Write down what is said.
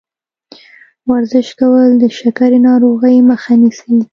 ورزش کول د شکرې ناروغۍ مخه نیسي.